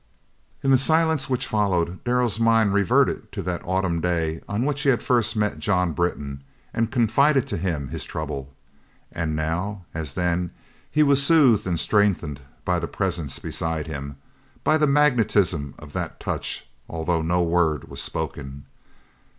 In the silence which followed Darrell's mind reverted to that autumn day on which he had first met John Britton and confided to him his trouble; and now, as then, he was soothed and strengthened by the presence beside him, by the magnetism of that touch, although no word was spoken.